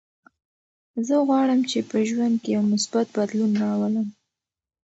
زه غواړم چې په ژوند کې یو مثبت بدلون راولم.